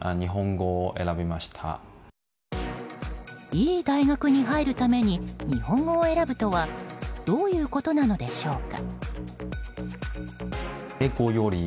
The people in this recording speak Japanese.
いい大学に入るために日本語を選ぶとはどういうことなのでしょうか。